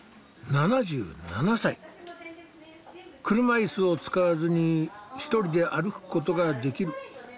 車いすを使わずに１人で歩くことができる。